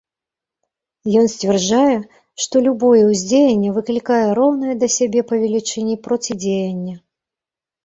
Ён сцвярджае, што любое ўздзеянне выклікае роўнае да сябе па велічыні процідзеянне.